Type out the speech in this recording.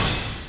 ya terima kasih